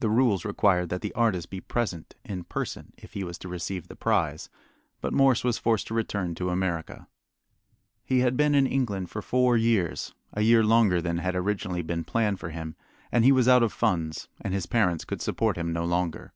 The rules required that the artist be present in person if he was to receive the prize, but Morse was forced to return to America. He had been in England for four years a year longer than had originally been planned for him and he was out of funds, and his parents could support him no longer.